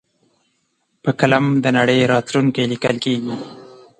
په قلم د نړۍ راتلونکی لیکل کېږي.